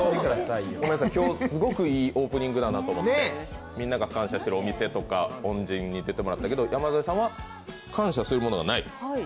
ごめんなさい、今日、すごくいいオープニングだなと思ってみんなが感謝してるお店とか恩人に出てもらったけど山添さんは感謝するものがない？